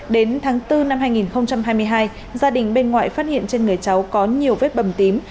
đến tháng bốn năm hai nghìn hai mươi hai gia đình bên ngoại phát hiện trên người cháu có nhiều vết bầm tím